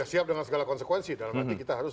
siap dengan segala konsekuensi dalam arti kita harus